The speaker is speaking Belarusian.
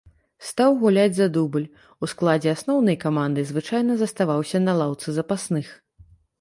Стаў гуляць за дубль, у складзе асноўнай каманды звычайна заставаўся на лаўцы запасных.